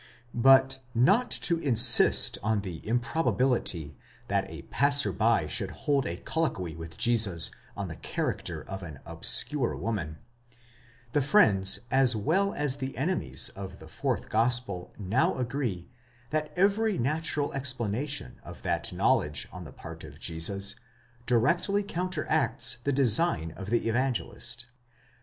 ° But not to insist on the improbability that a passer by should hold a colloquy with Jesus on the character of an obscure woman, the friends as well as the enemies of the fourth gospel now agree, that every natural explanation of that knowledge on the part of Jesus, directly counter acts the design of the Evangelist.